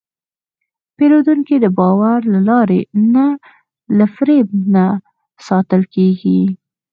پیرودونکی د باور له لارې نه، له فریب نه ساتل کېږي.